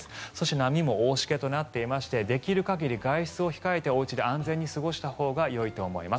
波も大しけとなっていてできる限り外出を控えておうちで安全に過ごしたほうがよいと思います。